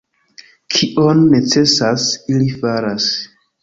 Kion necesas, ili faras.